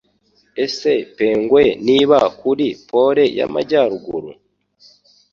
Ese pingwin ziba kuri Pole y'Amajyaruguru?